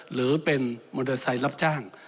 หรือเป็นมอเตอร์ไซค์รับจ้าง